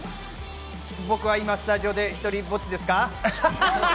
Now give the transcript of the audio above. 僕は今スタジオで一人ぼっちですか？